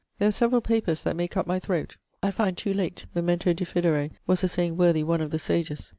There are severall papers that may cutt my throate. I find too late Memento diffidere was a saying worthy one of the sages.